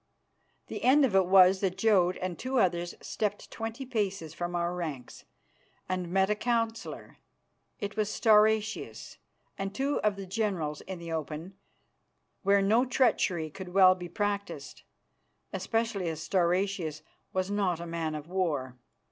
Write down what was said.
The end of it was that Jodd and two others stepped twenty paces from our ranks, and met a councillor it was Stauracius and two of the generals in the open, where no treachery could well be practised, especially as Stauracius was not a man of war.